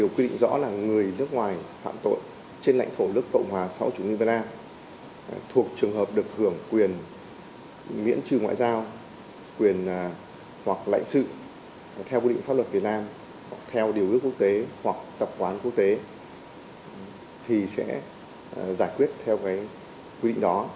quyền hoặc lãnh sự theo quy định pháp luật việt nam theo điều ước quốc tế hoặc tập quán quốc tế thì sẽ giải quyết theo quy định đó